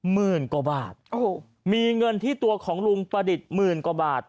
หมื่นกว่าบาทโอ้โหมีเงินที่ตัวของลุงประดิษฐ์หมื่นกว่าบาท